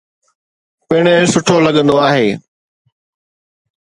پڻ سٺو لڳندو آهي.